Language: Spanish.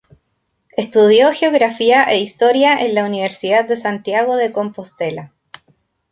Estudió Geografía e Historia en la Universidad de Santiago de Compostela.